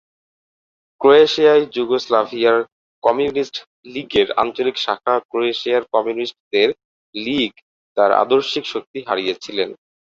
ক্রোয়েশিয়ায়, যুগোস্লাভিয়ার কমিউনিস্ট লীগের আঞ্চলিক শাখা ক্রোয়েশিয়ার কমিউনিস্টদের লীগ তার আদর্শিক শক্তি হারিয়েছিল।